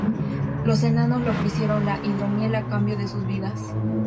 Los enanos le ofrecieron la hidromiel a cambio de sus vidas.